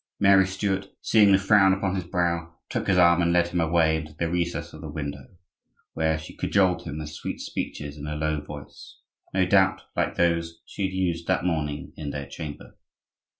Mary Stuart, seeing the frown upon his brow, took his arm and led him away into the recess of the window, where she cajoled him with sweet speeches in a low voice, no doubt like those she had used that morning in their chamber.